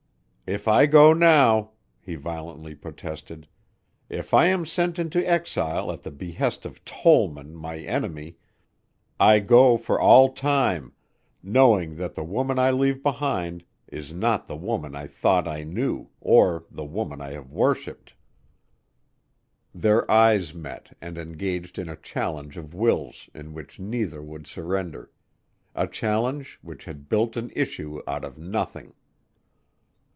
"If I go now," he violently protested, "if I am sent into exile at the behest of Tollman, my enemy, I go for all time, knowing that the woman I leave behind is not the woman I thought I knew or the woman I have worshiped." Their eyes met and engaged in a challenge of wills in which neither would surrender; a challenge which had built an issue out of nothing.